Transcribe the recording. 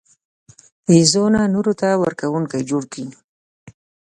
له ځانه نورو ته ورکوونکی جوړ کړي.